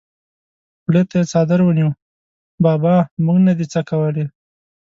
خولې ته یې څادر ونیو: بابا مونږ نه دي څکولي!